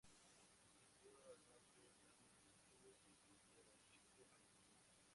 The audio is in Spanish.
Asistió a la Notre Dame School y a la Chico High School.